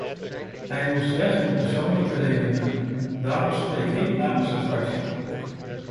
Hij moest weg om persoonlijke redenen, daarom spreek ik namens de fractie.